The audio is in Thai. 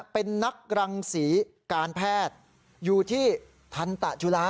เป็นนักรังศรีการแพทย์อยู่ที่ทันตะจุฬา